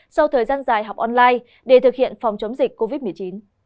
sau thời gian dài học online để thực hiện phòng chống dịch covid một mươi chín